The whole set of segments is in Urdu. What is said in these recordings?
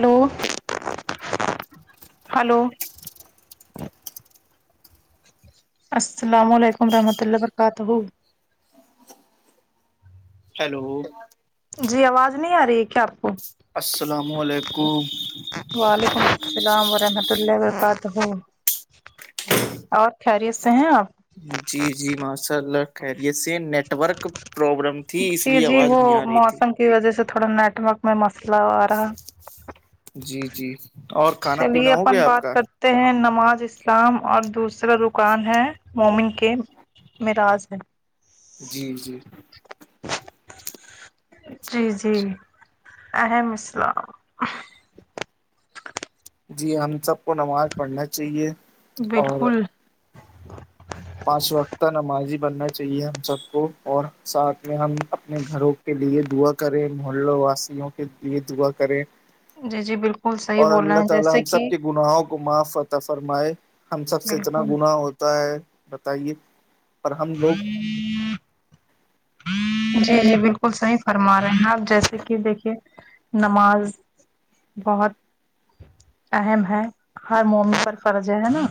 ہیلو ہلو السلام علیکم و رحمۃ اللہ و برکاتہ ہیلو جی آواز نہیں آ رہی ہے کیا آپ کو السلام علیکم وعلیکم السلام ورحمۃ اللہ و برکاتہ اور خیریت سے ہیں آپ جی جی ماشاء اللہ خریت سے نیٹ ورک پرابلم تھی اس لیے آواز نہیں آ رہی تھی اس وجہ سے تھوڑا نیٹ ورک میں مسئلہ آ رہا جی جی اور کھانا پینا چلیے ہو اپن گیا آپ بات کا کرتے ہیں نماز اسلام اور دوسرا رکان ہے مومن کے م راض ہے [unintelligible] جی جی [inaudible] [inaudible] جی جی احم اسلام جی ہم سب کو نماز پڑھنا چاہیے اور بالکل پانچ وقتہ نمازی بننا چاہیے ہم سب کو اور ساتھ میں ہم اپنے گھروں کے لیے دعا کریں محل واسیوں کے لیے دعا کرے جی جی بالکل صحیح بول رہے اللہ ہیں تعالی جیسے ہم کہ سب کے گناہوں کو کو معاف وتا فرمائے ہم سب سے اتنا بالکل گناہ ہوتا ہے بتائیے اور ہم لوگ جی جی بالکل صحیح فرما رہے ہیں آپ جیسے کہ دیکھیے نماز بہت اہم ہے ہر مومن پر فرض ہے ہے نا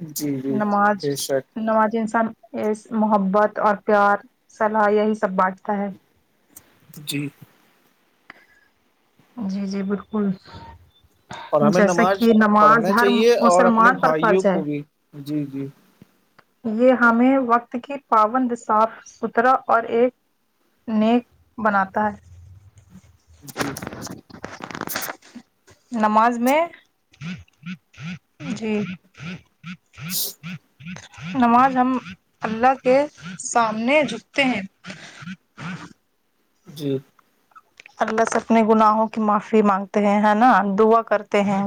جی جی نماز بے شک نماز انسان محبت اور پیار صلاح یہی سب بانٹتا ہے جی جی جی بالکل اور ہمیں جیسا کہ نماز نماز پڑھنا ہر چاہیے اور اپنے مسلمان پر بھائیوں فرض ہے کو بھی جی جی یہ ہمیں وقت کی پابند صاف ستھرا اور ایک نیک بناتا ہے جی نماز میں جی نماز ہم اللہ کے سامنے جکتے ہیں جی اللہ سے اپنے گناہوں کی معافی مانگتے ہیں نا دعا کرتے ہیں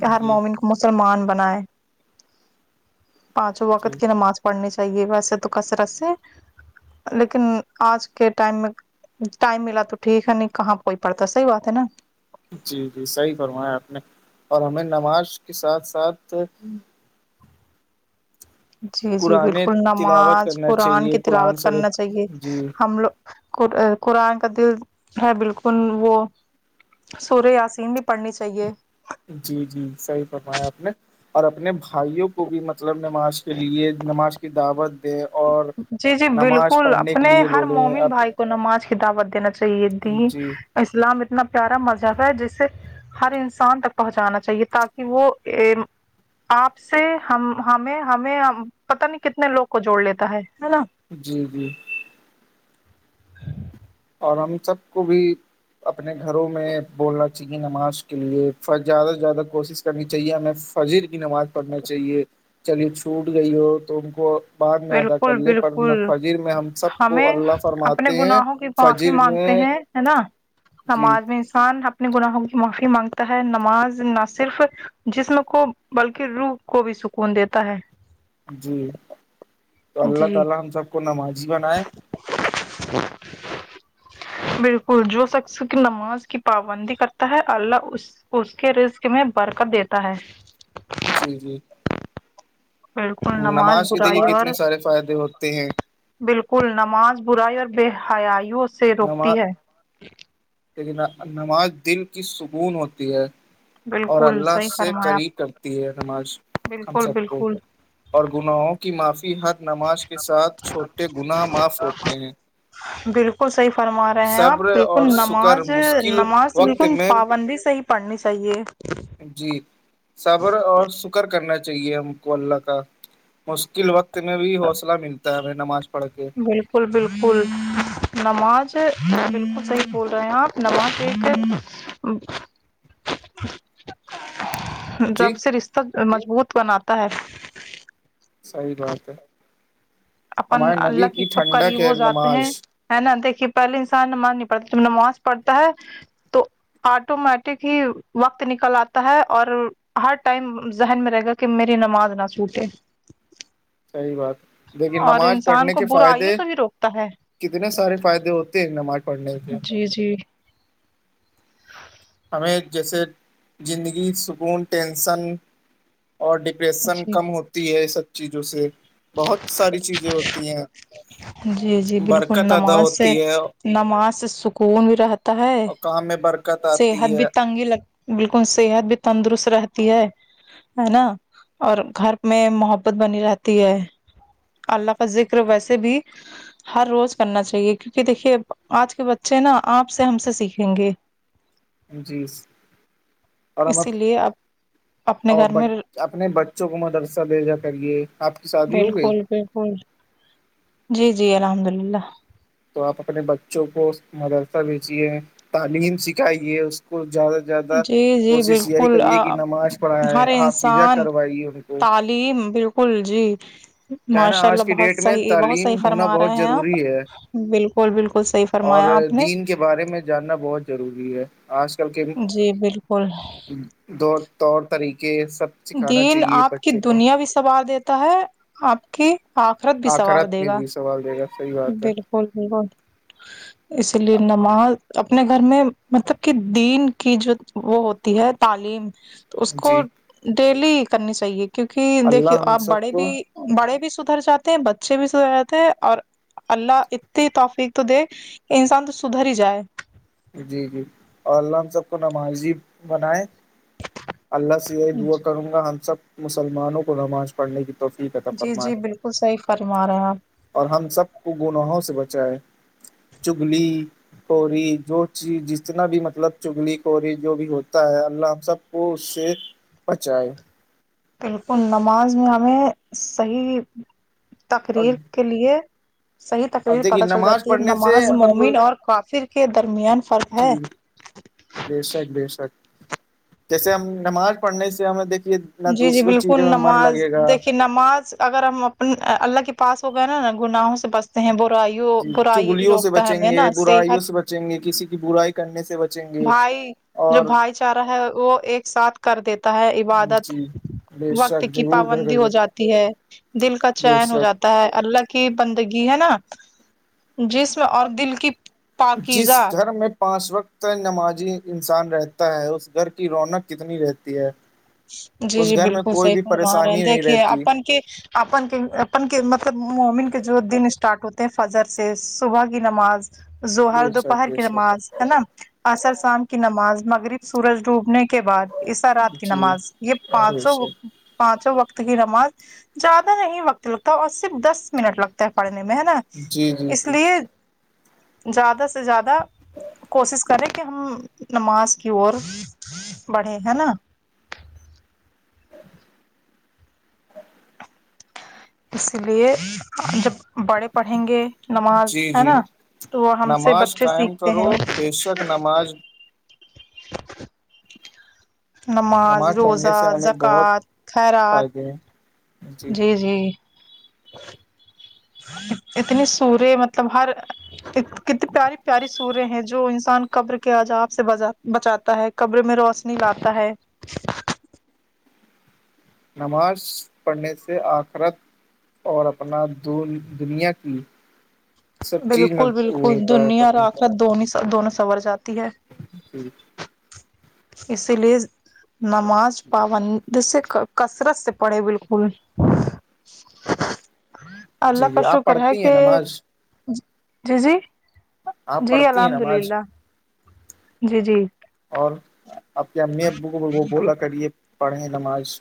کہ ہر جی مومن مسلمان بنائے پانچو وقت جی کی نماز پڑنی چاہیے ویسے تو کثرت سے لیکن آج کے ٹائم میں ٹائم ملا تو ٹھیک ہے نہیں کہاں کوئی پڑتا ہے صحیح بات ہے نا جی جی صحیح فرمایا آپ نے اور ہمیں نماز کے ساتھ ساتھ جی جی قرآن بالکل تلاوت نماز کرنا قرآن چاہیے کی قرآن تلاوت سر کرنا چاہیے جی ہم لوگ قرآن کا دل ہے بالکل وہ سورہ یاسین بھی پڑھنی چاہیے جی جی صحیح فرمایا آپ نے اور اپنے بھائیوں کو بھی مطلب نماز کے لیے نماز کی دعوت دیں اور جی جی نماز بالکل پڑھنے کے اپنے لیے ہر بولے مومن اب بھائی کو نماز دعوت دینا چاہیے دین جی اسلام اتنا پیارا مذہب ہے جسے ہر انسان تک پہنچانا چاہیے تاکہ وہ آپ سے ہم ہمیں ہمیں پتہ نہیں کتنے لوگ کو جوڑ لیتا ہے نا جی جی اور ہم سب کو بھی اپنے گھروں میں بولنا چاہیے نماز کے لیے زیادہ سے زیادہ کوشش کرنی چاہیے ہمیں فجر کی نماز پڑھنا چاہیے چلیے چھوٹ گئی ہو تو ان کو بعد میں ادا کر بالکل لے پر بالکل فجر میں ہم سب کو ہمیں اللہ اپنے فرماتے ہیں گناہوں کی معافی فجر مانگتے میں ہیں ہے نا جی نماز انسان اپنے گناہوں کی معافی مانگتا ہے نماز نہ صرف جسم کو بلکہ روح کو بھی سکون دیتا ہے جی تو اللہ جی تعالی ہم سب کو نمازی بنائے [unintelligible] بالکل جو شخص کی نماز کی پابندی کرتا ہے اللہ اس اس کے رسک میں برکت دیتا ہے جی جی بالکل نماز کے دیکھیے برائی اور کتنے سارے فائدے ہوتے ہیں بالکل نماز برائی اور بے حیایوں نماز نماز دل کی سکون ہوتی ہے اور بالکل اللہ صحیح سے فرمایا آپ، کرری کرتی ہے نماش ہم بالکل سب کو بالکل اور گناہوں کی معافی ہر نماز کے ساتھ چھوٹے گناہ معاف ہوتے ہیں بالکل بالکل صحیح فرما رہے ہیں آپ صبر بالکل اور سکر نماز مشکل نماز وقت بالکل میں پابند بھی صحیح پڑھنی چاہیے جی صابر اور شکر کرنا چاہیے ہم کو اللہ کا مشکل وقت میں بھی حوصلہ ملتا ہے ہمیں نماز پڑھ کے بالکل بالکل نماز بالکل صحیح بول رہے ہیں آپ نماز ایک [unintelligible] جی ڈب سے رشتہ مضبوط بناتا ہے صحیح بات ہے اپن ہمارے اللہ نبی کے کی کب ٹھنڈک قریب کے ہو جاتے ہیں نماز ہے نا دیکھیے پہلے انسان ن مان نہیں پڑتا ت نماز پڑھتا ہے تو آٹومیٹک ہی وقت نکل آتا ہے اور ہر ٹائم ذہن میں رہے گا کہ میری نماز نہ چوٹے صحیح بات لیکن اور نماز انسان پڑھنے کو کے برائیوں فائدے سے بھی روکتا ہے کتنے سارے فائدے ہوتے ہیں نماز پڑھنے سے جی جی ہمیں جیسے زندگی سکون ٹینسن اور ریشن جی کم ہوتی ہے یہ سب چیزوں سے بہت ساری چیزیں ہوتی ہیں جی جی بالکل برکت ادا نماز سے ہوتی ہے نماز سے سکون بھی رہتا ہے کام میں برکت صحت آتی بھی ہے تنگی لگ بالکل صحت بھی تندرست رہتی ہے ہے نا اور گھر میں محبت بنی رہتی ہے اللہ کا ذکر ویسے بھی ہر روز کرنا چاہیے کیونکہ دیکھیے آج کے بچے نا آپ سے ہم سے سیکھیں گے جی اور ہم اسی لیے آپ اپنے اور گھر میں اپنے بچوں کو مدرسہ دے جا کرے آپ کی شادی ہو گئی بک جی جی الحمد للہ تو آپ اپنے بچوں کو مدرسہ بھیجیے تعلیم سکھائیے اس کو زیادہ زیادہ جی جی کوشش یہی بالکل کریے کہ نماز پڑھائے حافظاں کروائیے ان کو جی بالکل جی کیا ہے نا ماشاء اللہ آج کی بہت ڈیٹ میں صحیح بہت صحیح تعلیم ہونا فرما رہے بہت ہیں آپ ضروری ہے بالکل بالکل صحیح اور فرمایا آپ نے دین بارے میں جاننا بہت ضروری ہے آج کل کے جی بالکل دور طور طریقے سب سکھانا دین چاہیے آپ کی بچوں کو دنیا بھی سنبار دیتا ہے آپ کی آخرت بھی سوار آخرت دے میں گا بھی سوال دے گا صحیح بات ہے بالکل بالکل اسی لیے نماز اپنے گھر میں مطلب کہ دین کی جو وہ ہوتی ہے تعلیم تو اس کو جی ڈیلی کرنی چاہیے کیونکہ دیکھیو اللہ ہم آپ سب بڑے کو بھی بڑے بھی سدھر جاتے ہیں بچے بھی سدھر جاتے ہیں اور اللہ اتنی توفیق تو دے کہ انسان تو سدھر ہی جائے جی جی اور اللہ ہم سب کو نمازی بنائے اللہ سے یہ دعا کروں گا ہم سب مسلمانوں کو نماز پڑھنے کی توفیک تھا جی فرما جی بالکل صحیح فرما رہے ہیں آپ اور ہم سب کو گناہوں سے بچائے چگلی کوری جو چیز جتنا بھی مطلب چگلی کوری جو بھی ہوتا ہے اللہ ہم سب کو اس سے اچھا ہے بالکل نماز میں ہمیں صحیح اور تقریر کے لیے جی [inaudible] [inaudible] صحیح تقریر اب دیکھیے پتہ چل نماز جاتی ہے پڑھنے سے نماز اپن کو مومن اور کافر کے درمیان فرق ہے جی بے شک بے شک جیسے ہم نماز پڑھنے سے ہمیں دیکھیے نہ جی جی دوسروں بالکل چیزوں میں من نماز لگے گا دیکھی ن نماز اگر ہم اپ اللہ کے پاس ہو گئے نا نا گناہوں سے بس ہیں برائیوں جی برائی چگلیوں سے روکتا ہے ہمیں بچیں نا گے صحت برائیوں سے بچیں گے کسی کی برائی کرنے سے بچیں گے بھائی جو اور بھائی چارہ ہے وہ ایک ساتھ کر دیتا ہے عبادت جی بے وقت شک کی ضرور کر پابندی کر ہو کے جاتی ہے دل کا بے چن ہو شک جاتا اللہ کی بندگی ہے نا جس اور دل کی جس پاکیزہ گھر میں پانچ وقت نمازی انسان رہتا ہے اس گھر کی رونق کتنی رہتی ہے جی اس جی گھر میں بالکل کوئی صحی بھی کررما رہے پریشانی د نہیں کہ رہتی اپن کہ اپن کے اپن کے مطلب مومن کے جو دن اسٹارٹ ہوتے ہیں فجر سے صبح کی نماز ہر بے شک دوپہر بے کی شک نماز ہے نا اصر شان کی نماز مغرب سورج ڈوبنے کے بعد اس طرح جی نماز یہ بے پانچوں شک پانچوں وقت کی نماز زیادہ نہیں وقت لگتا اور صرف دس منٹ لگتا ہے پڑھنے میں ہے نا جی جی اس جی لیے زیادہ سے زیادہ کوشش کریں کہ ہم نماز کی اور بڑھے ہے نا [unintelligible] اچ [inaudible] [inaudible] اسی لیے جب بڑے پڑھیں گے نماز جی ہے جی نا تو وہ ہم سے نماز بچے قائم سیکھتے کرو ہیں بے شک نماز نماز پڑھنے روزہ سے ہمیں بہت زکوۃ خیرات فائدے ہیں جی جی اتنی سورے مطلب ہر کتنی پیاری پیاری سوریں ہیں جو انسان قبر کے عج آاب سے با بچاتا ہے کبرے میں روشنی لاتتا ہے نماز پڑھنے سے آخرت اور اپنا د دنیا کی سب چیز میں بالکل وہ بالکل ہوتا ہے دنیا اور آخر دون دونوں سنور جاتی ہے ی [inaudible] [inaudible] اس لیے نماز پابندی سے کثرت سے پڑھے بالکل اللہ جی کا جی آپ شکر ہے پڑھتی ہیں کہ نماز جی جی آپ جی پڑھتی ہیں الحمد نماز للہ جی جی اور آپ کے امی ابو کو وہ بولا کریے پڑھیں نماز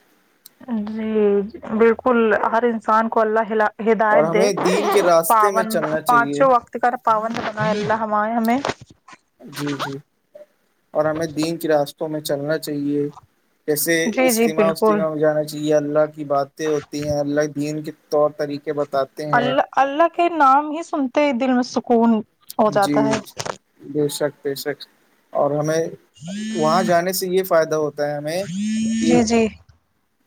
جی بالکل ہر انسان کو اللہ اور ہدایت دے ہمیں دین کے راستے میں پاون چلنا چاہیے پانچو وقت کا پابند بنائیں اللہ ہمیں جی جی اور ہمیں دین کے راستوں میں چلنا چاہیے جیسے جی جی اجتماع بالکل وجتماع میں جانا چاہیے جی اللہ کی باتیں ہوتی ہیں اللہ دین کے طور طریقے بتاتے ہیں اللہ اللہ کے نام ہی سنتے دل میں سکون ہو جی جاتا ہے بے شک بے شک اور ہمیں وہاں جانے سے یہ فائدہ ہوتا ہے ہمیں کہ جی جی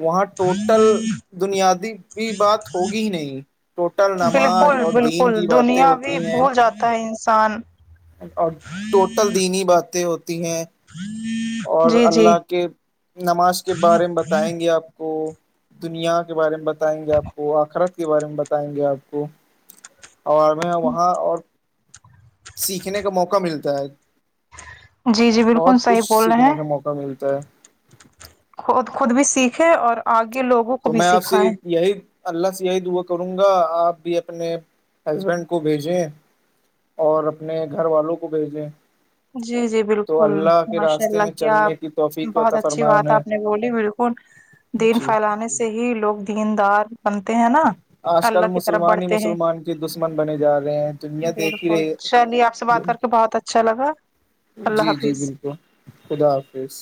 وہاں ٹوٹل دنیاوی بات ہوگی ہی نہیں ٹوٹل نماز بالکل اور دین کی باتیں ہوتی ہیں تا انسان اور ٹوٹل دینی باتیں ہوتی ہیں اور جی جی اللہ کے نماز کے بارے میں بتائیں گے آپ آپ کو دنیا کے بارے میں بتائیں گے آپ کو آخرت کے بارے میں بتائیں گے آپ کو [inaudible] اور میں وہاں اور سیکھنے کا موقع ملتا ہے جی جی بہت بالکل صحیح کچھ بول رہے سیکھنے ہیں کا موقع ملتا ہے خود خود بھی سیکھے اور آگے لوگوں کو تو بھی میں آپ سے سکھائے یہی اللہ سے یہی دعا کروں گا آپ بھی اپنے ہسبینڈ کو بھیجیں اور اپنے گھر والوں کو بیچ دے جی جی بالکل ماشاء راستے اللہ میں کیا چلنے کی توفیق عطا بہت اچھی فرمائے بات ہے انہیں آپ نے بولی بالکل دین جی پھیلانے سے ہی لوگ دیندار بنتے ہیں نا آج کل اللہ کی طرف مسلمان ہی بڑھتے ہیں مسلمان کے دشمن بنے جا رہے ہیں دنیا دیکھ ہی بالکل رہی چلیے آپ سے ہے۔ بات کر بہت اچھا لگا اللہ جی جی حافظ بالکل خدا حافظ